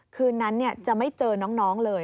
คืนนั้นจะไม่เจอน้องเลย